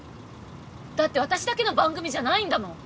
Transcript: だって私だけの番組じゃないんだもん。